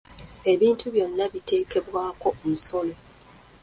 Ebintu byonna biteekebwako omusolo.